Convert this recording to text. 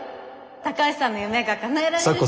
高橋さんの夢がかなえられる。